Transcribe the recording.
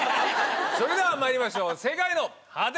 それではまいりましょう世界の果てまで。